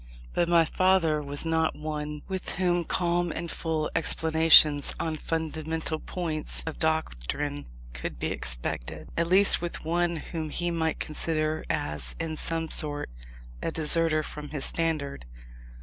But my father was not one with whom calm and full explanations on fundamental points of doctrine could be expected, at least with one whom he might consider as, in some sort, a deserter from his standard.